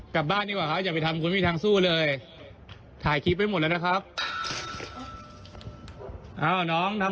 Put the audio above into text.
กลับบ้านดีกว่าครับน้อง